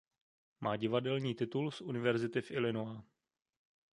Má divadelní titul z Univerzity v Illinois.